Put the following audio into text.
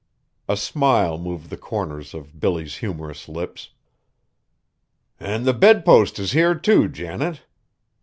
A smile moved the corners of Billy's humorous lips. "An' the bedpost is here, too, Janet.